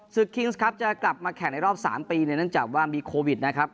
คิงส์ครับจะกลับมาแข่งในรอบ๓ปีเนี่ยเนื่องจากว่ามีโควิดนะครับ